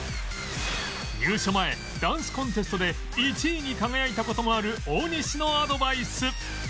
入所前ダンスコンテストで１位に輝いた事もある大西のアドバイス